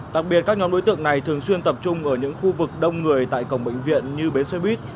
đặc biệt các nhóm đối tượng này thường xuyên tập trung ở những khu vực đông người tại cổng bệnh viện như bến xe buýt